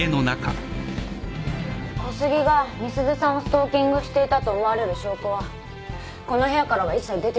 小杉が美鈴さんをストーキングしていたと思われる証拠はこの部屋からは一切出てきていません。